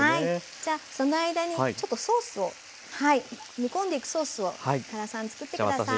じゃその間にちょっとソースを煮込んでいくソースを原さん作って下さい。